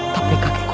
tapi kakek guru